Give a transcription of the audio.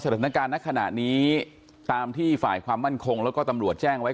สถานการณ์ในขณะนี้ตามที่ฝ่ายความมั่นคงแล้วก็ตำรวจแจ้งไว้